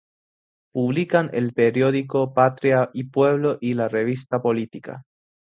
Publican el periódico Patria y Pueblo y la revista Política.